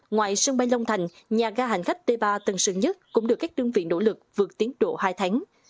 ngoài sân bay long thành nhà ga hành khách t ba tân sơn nhất cũng được các đơn vị nỗ lực vượt tiến độ hai tháng